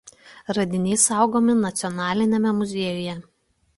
Radiniai saugomi Nacionaliniame muziejuje.